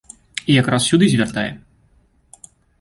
І якраз сюды звяртае.